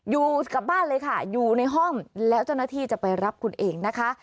อยู่กลับบ้านเลยค่ะอยู่ในห้องแล้วเจ้าหน้าที่จะไปรับคุณเองนะคะ